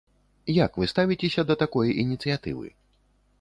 Як вы ставіцеся да такой ініцыятывы?